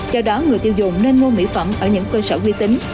do đó người tiêu dùng nên mua mỹ phẩm ở những cơ sở uy tín